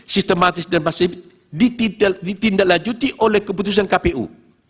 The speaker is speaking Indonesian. sistematis dan masif ditindaklanjuti oleh keputusan kpu